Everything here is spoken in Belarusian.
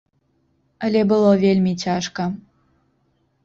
Але было вельмі цяжка.